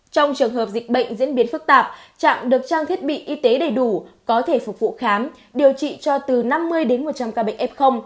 trong trường hợp dịch bệnh diễn biến phức tạp trạm được trang thiết bị y tế đầy đủ có thể phục vụ khám điều trị cho từ năm mươi đến một trăm linh ca bệnh f